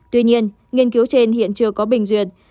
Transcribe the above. tuy nhiên nghiên cứu trên hiện chưa có bình duyệt